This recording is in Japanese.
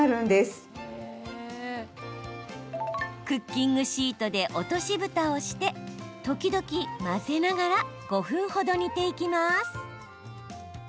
クッキングシートで落としぶたをして時々混ぜながら５分ほど煮ていきます。